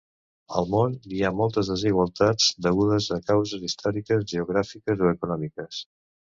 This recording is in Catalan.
Al món hi ha moltes desigualtats, degudes a causes històriques, geogràfiques o econòmiques.